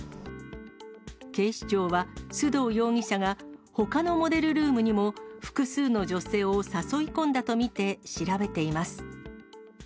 警視庁は須藤容疑者がほかのモデルルームにも複数の女性を誘い込んだと見て調べています。